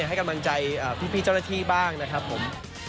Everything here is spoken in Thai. ให้กำลังใจพี่เจ้าหน้าที่บ้างนะครับผม